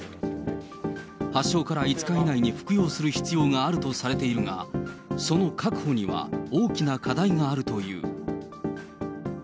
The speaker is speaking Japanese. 発症から５日以内に服用する必要があるとされているが、その確保には大きな課題があるという。